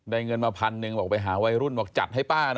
เงินมาพันหนึ่งบอกไปหาวัยรุ่นบอกจัดให้ป้าหน่อย